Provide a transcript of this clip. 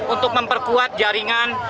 untuk memperkuat jaringan